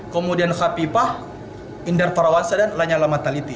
kemudian hafifah indert parwansa dan lainnya alamatiliti